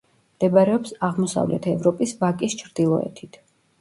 მდებარეობს აღმოსავლეთ ევროპის ვაკის ჩრდილოეთით.